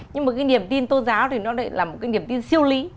nhưng mà cái niềm tin tôn giáo thì nó lại là một cái niềm tin siêu lý